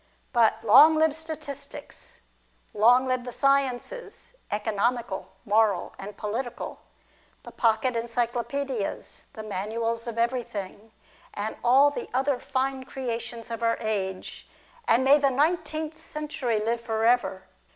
But, long live statistics ! Long live the sciences, economical, moral, and political; the pocket encyclo paedias; the manuals of everything; and all the other fine creations of our age ! And may the nineteenth century live for ever!